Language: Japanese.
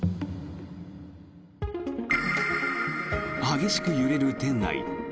激しく揺れる店内。